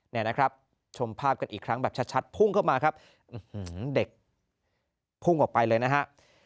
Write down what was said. เนี่ยนะครับชมภาพกันอีกครั้งแบบชัดพุ่งเข้ามาครับเด็กพุ่งออกไปเลยนะฮะ